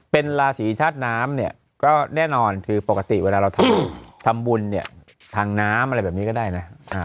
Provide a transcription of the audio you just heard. เป็นราศีธาตุน้ำเนี่ยก็แน่นอนคือปกติเวลาเราทำบุญเนี่ยทางน้ำอะไรแบบนี้ก็ได้นะ